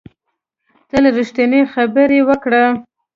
تل ریښتینې خبرې وکړه